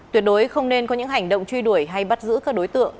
tuyệt đối không nên có những hành động truy đuổi hay bắt giữ các đối tượng